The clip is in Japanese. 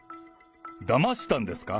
だましたんですか？